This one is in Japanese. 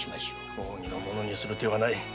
公儀のものにする手はない。